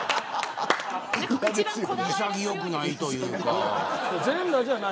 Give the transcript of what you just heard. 潔くないというか。